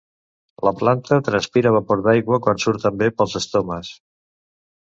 La planta transpira vapor d'aigua que surt també pels estomes.